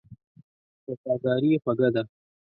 وفاداري خوږه ده.